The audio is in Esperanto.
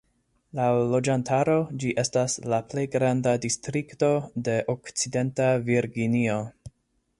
Laŭ loĝantaro ĝi estas la plej granda distrikto de Okcidenta Virginio.